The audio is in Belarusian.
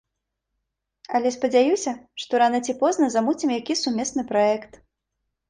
Але, спадзяюся, што рана ці позна замуцім які сумесны праект.